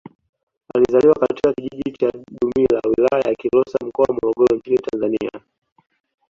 Alizaliwa katika kijiji cha Dumila Wilaya ya Kilosa Mkoa wa Morogoro nchini Tanzania